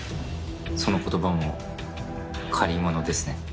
その言葉も借り物ですね。